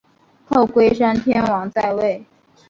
后龟山天皇在位。